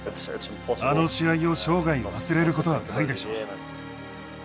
あの試合を生涯忘れることはないでしょう。